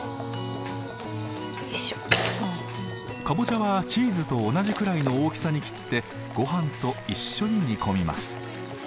カボチャはチーズと同じくらいの大きさに切ってごはんと一緒に煮込みます。